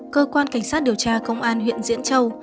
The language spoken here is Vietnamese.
cơ quan cảnh sát điều tra công an huyện diễn châu